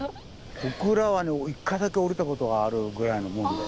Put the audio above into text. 小倉はね１回だけ降りたことがあるぐらいなもんで。